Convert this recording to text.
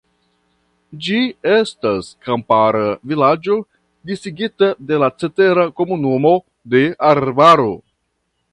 Ĝi estas kampara vilaĝo disigita de la cetera komunumo de arbaro.